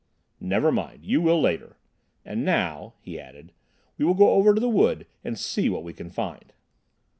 "Never mind, you will later. And now," he added, "we will go over the wood and see what we can find."